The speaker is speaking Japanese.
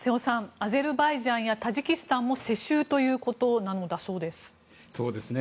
アゼルバイジャンやタジキスタンも世襲ということなんだそうです。